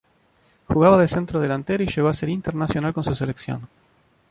Jugaba de centrodelantero y llegó a ser internacional con su selección.